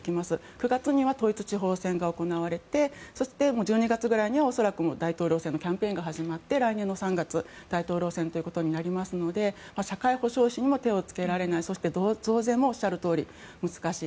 ９月には統一地方選が行われて１２月ぐらいには大統領選挙のキャンペーンが行われて来年の３月大統領選ということになるので社会保障費にも手をつけられないそして増税もおっしゃるとおり難しい。